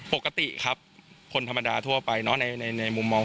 ปกติครับคนธรรมดาทั่วไปเนอะในมุมมอง